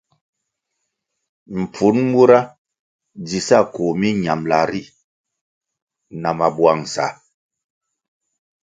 Mpfun mura dzi sa koh miñambʼla ri na mabwangʼsa.